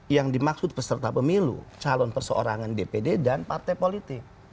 yang dimaksud peserta pemilu calon perseorangan dpd dan partai politik